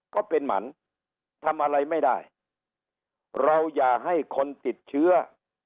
ก็เป็นหมันทำอะไรไม่ได้เราอย่าให้คนติดเชื้อ